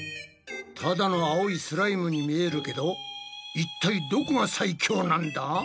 ただの青いスライムに見えるけど一体どこが最強なんだ？